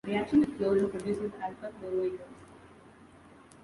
Reaction with chlorine produces alpha-chloroethers.